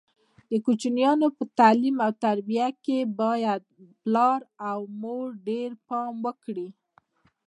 د کوچنیانو په تعلیم او تربیه کې باید پلار او مور ډېر پام وکړي.